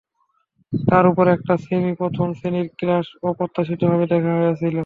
তার উপর, একটা সেমি-প্রথম শ্রেণির কার্স অপ্রত্যাশিতভাবে দেখা দিয়েছিলো।